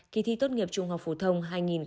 khi thi tốt nghiệp trung học phổ thông